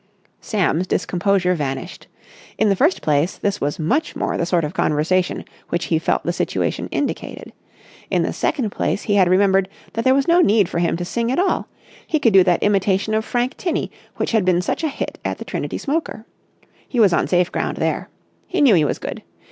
Sam's discomposure vanished. In the first place, this was much more the sort of conversation which he felt the situation indicated. In the second place he had remembered that there was no need for him to sing at all. He could do that imitation of Frank Tinney which had been such a hit at the Trinity smoker. He was on safe ground there. He knew he was good.